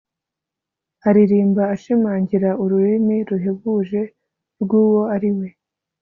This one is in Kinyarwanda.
aririmba ashimangira urumuri ruhebuje rwuwo ari we